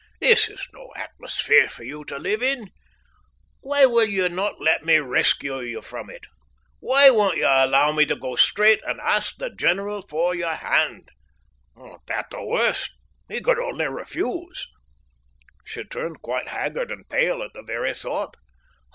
"This is no atmosphere for you to live in. Why will you not let me rescue you from it? Why won't you allow me to go straight and ask the general for your hand? At the worst he could only refuse." She turned quite haggard and pale at the very thought.